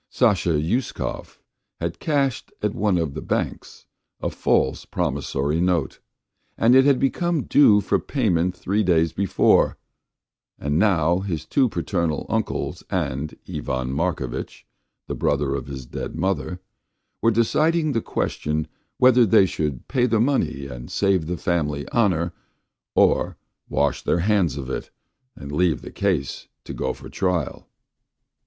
Sasha Uskov had cashed at one of the banks a false promissory note, and it had become due for payment three days before, and now his two paternal uncles and Ivan Markovitch, the brother of his dead mother, were deciding the question whether they should pay the money and save the family honour, or wash their hands of it and leave the case to go for trial.